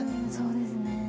そうですね。